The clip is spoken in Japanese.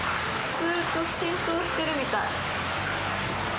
すーっと浸透してるみたい。